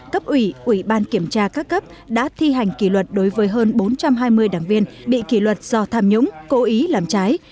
cấp ủy ủy ban kiểm tra các cấp đã thi hành kỷ luật đối với hơn bốn trăm hai mươi đảng viên bị kỷ luật do tham nhũng cố ý làm trái